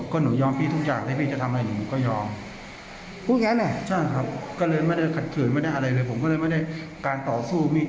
พอหลังจากนั้นผมเรียบร้อยผมก็ให้เงินเขาไป๔๐๐